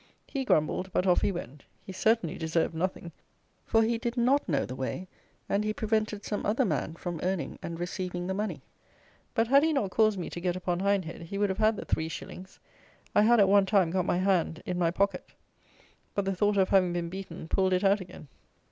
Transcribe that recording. He grumbled; but off he went. He certainly deserved nothing; for he did not know the way, and he prevented some other man from earning and receiving the money. But, had he not caused me to get upon Hindhead, he would have had the three shillings. I had, at one time, got my hand in my pocket; but the thought of having been beaten pulled it out again.